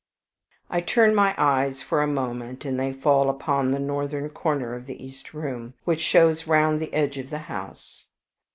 I turn my eyes for a moment, and they fall upon the northern corner of the East Room, which shows round the edge of the house.